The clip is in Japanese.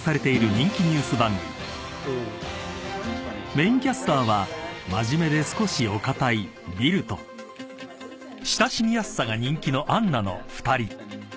［メインキャスターは真面目で少しお堅いビルと親しみやすさが人気のアンナの２人］